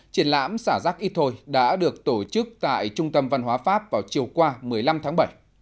triển lãm xả rác ít thôi đã được tổ chức tại trung tâm văn hóa pháp vào chiều qua một mươi năm tháng bảy